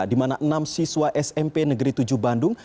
dimana enam siswa smp negeri tujuh bandung